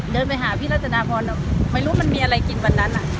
เดินไปหาพี่รัตนาพรไม่รู้มันมีอะไรกินวันนั้น